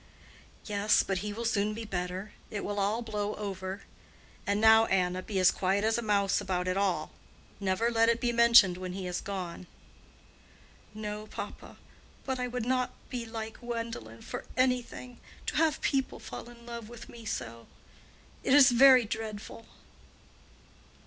"Yes, but he will soon be better; it will all blow over. And now, Anna, be as quiet as a mouse about it all. Never let it be mentioned when he is gone." "No, papa. But I would not be like Gwendolen for any thing—to have people fall in love with me so. It is very dreadful."